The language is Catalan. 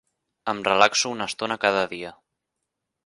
Em relaxo una estona cada dia.